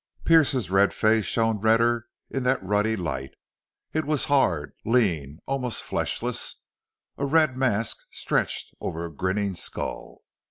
Pearce's red face shone redder in that ruddy light. It was hard, lean, almost fleshless, a red mask stretched over a grinning skull.